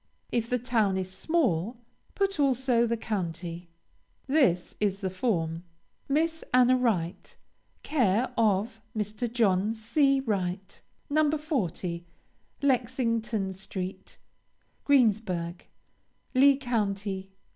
If the town is small, put also the county. This is the form: MISS ANNA WRIGHT, Care of Mr. John C. Wright, No. 40, Lexington street, Greensburg Lee County.